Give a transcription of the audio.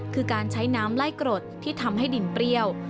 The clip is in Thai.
คือการใช้น้ำไล่กรดที่ทำให้ดินเปรี้ยว